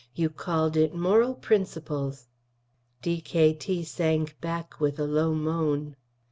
You called it 'Moral Principles'." D.K.T. sank back with a low moan.